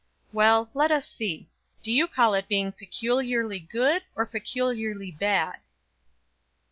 "Well, let us see. Do you call it being peculiarly good or peculiarly bad?"